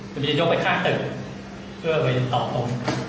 มันจะยกไปข้างตึกเพื่อไปต่อตรง